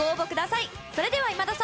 それでは今田さん一言！